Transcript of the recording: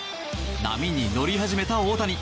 波に乗り始めた大谷。